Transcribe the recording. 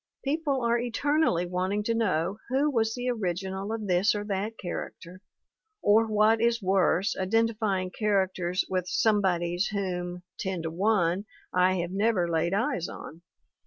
People are eter nally wanting to know who was the original of this or that character, or what is worse, identifying char acters with somebodies whom, ten to one, I have never laid eyes on